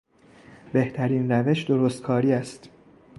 بهترین روش درستکاری است.